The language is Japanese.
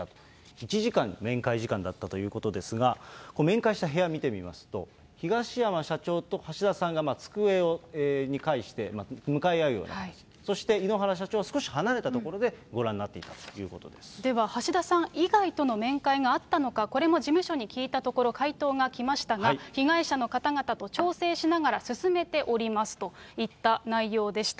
１時間の面会時間だったということですが、面会した部屋見てみますと、東山社長と橋田さんが机をかいして向かい合うように、そして井ノ原社長は少し離れた所でご覧になっていたということででは橋田さん以外との面会があったのか、これも事務所に聞いたところ、回答がきましたが、被害者の方々と調整しながら進めておりますといった内容でした。